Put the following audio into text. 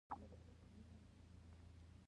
د بخش اباد بند په کوم ولایت کې دی؟